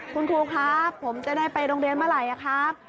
คุณครูครับผมจะได้ไปโรงเรียนเมื่อไหร่ครับ